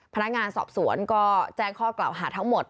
พนักงานสอบสวนก็แจ้งข้อกล่าวหาทั้งหมด